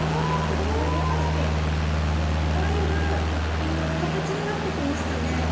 すごい！だいぶ形になってきましたね。